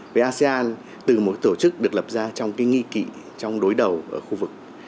với asean từ một tổ chức được lập ra trong nghi kỵ trong đối đầu ở khu vực